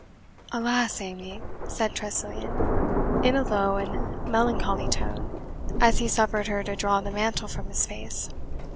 "Alas, Amy!" said Tressilian, in a low and melancholy tone, as he suffered her to draw the mantle from his face.